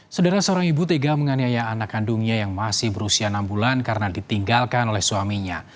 saudara seorang ibu tega menganiaya anak kandungnya yang masih berusia enam bulan karena ditinggalkan oleh suaminya